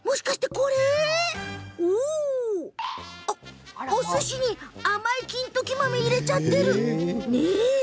そう、おすしにあの甘い金時豆を入れちゃってます。